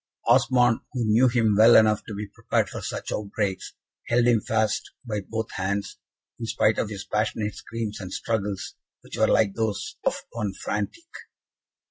Osmond, who knew him well enough to be prepared for such outbreaks, held him fast by both hands, in spite of his passionate screams and struggles, which were like those of one frantic.